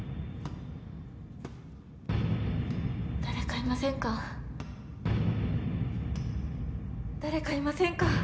誰かいませんか？